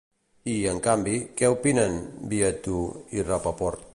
I, en canvi, què opinen Viateau i Rapaport?